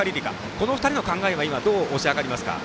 この２人の考えはどう推し量りますか？